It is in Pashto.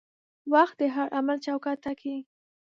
وخت د هر عمل چوکاټ ټاکي.